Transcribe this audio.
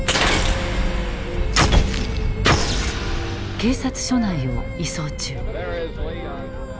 警察署内を移送中。